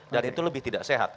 dan itu lebih tidak sehat